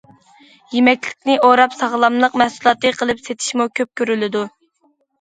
يېمەكلىكنى ئوراپ ساغلاملىق مەھسۇلاتى قىلىپ سېتىشمۇ كۆپ كۆرۈلىدۇ.